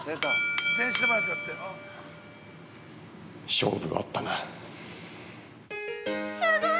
◆勝負あったな。